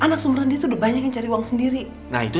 aku gak tau